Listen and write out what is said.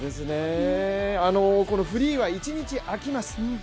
フリーは１日空きます、